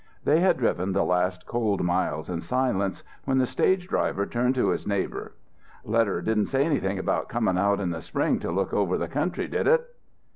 They had driven the last cold miles in silence when the stage driver turned to his neighbour. "Letter didn't say anything about coming out in the spring to look over the country, did it?"